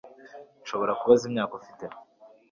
Nshobora kubaza imyaka ufite